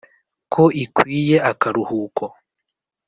ko ikwiye akaruhuko,